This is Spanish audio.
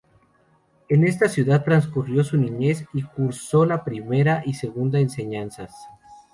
En esta ciudad transcurrió su niñez y cursó la primera y segunda enseñanzas.